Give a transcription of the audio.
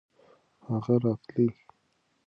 هغه راتلی .